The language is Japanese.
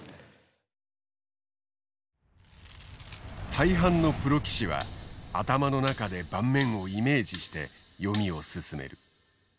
大半のプロ棋士は頭の中で盤面をイメージして読みを進める。